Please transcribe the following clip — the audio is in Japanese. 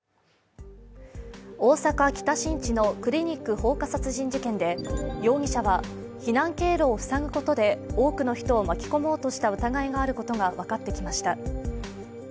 大阪・北新地のクリニック放火殺人事件で容疑者は避難経路を塞ぐことで多くの人を巻き込もうとした疑いがあることが分かってきました。